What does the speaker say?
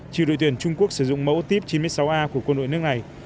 chiều đội tuyển trung quốc sử dụng mẫu type chín mươi sáu a của quân đội nước này